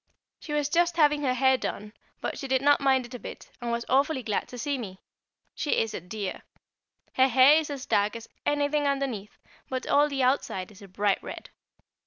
She was just having her hair done, but she did not mind a bit, and was awfully glad to see me. She is a dear. Her hair is as dark as anything underneath, but all the outside is a bright red.